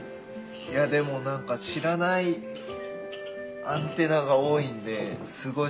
いやでもなんか知らないアンテナが多いんですごい